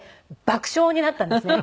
爆笑になったんですね